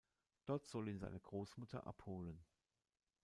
Dort soll ihn seine Großmutter abholen.